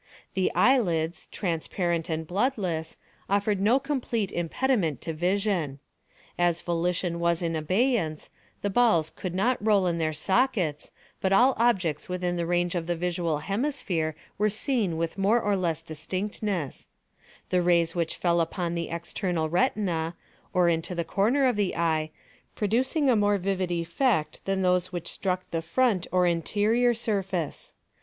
The eyelids, transparent and bloodless, offered no complete impediment to vision. As volition was in abeyance, the balls could not roll in their sockets but all objects within the range of the visual hemisphere were seen with more or less distinctness; the rays which fell upon the external retina, or into the corner of the eye, producing a more vivid effect than those which struck the front or interior surface.